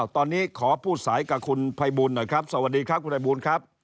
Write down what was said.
ตอนนี้ขอพูดสายกับคุณภัยบูลหน่อยครับสวัสดีครับคุณภัยบูลครับ